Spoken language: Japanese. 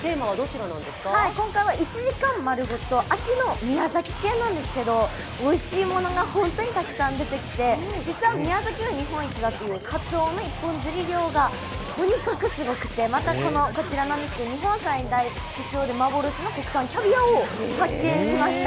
今回は１時間丸ごと、秋の宮崎県なんですけど、おいしいものが本当にたくさん出てきて、実は宮崎が日本一だというかつおの一本釣り漁がとにかくすごくて、日本最大、幻の国産キャビアを発見しました。